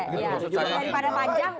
jadi pada panjang